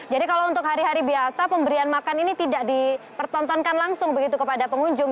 jadi kalau untuk hari hari biasa pemberian makan ini tidak dipertontonkan langsung begitu kepada pengunjung